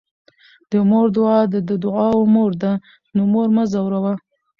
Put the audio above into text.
د مور دعاء د دعاوو مور ده، نو مور مه ځوروه